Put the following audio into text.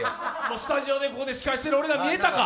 スタジオで司会してる俺が見えたんか。